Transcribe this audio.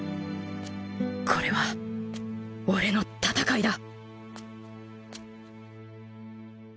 これは俺の戦いだ！